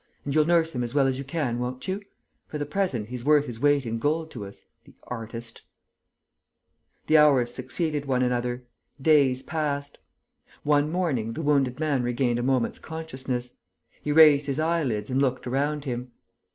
And you'll nurse him as well as you can, won't you? For the present, he's worth his weight in gold to us, the artist!..." The hours succeeded one another. Days passed. One morning, the wounded man regained a moment's consciousness. He raised his eyelids and looked around him.